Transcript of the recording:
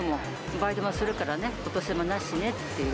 バイトもするからね、お年玉なしねっていう。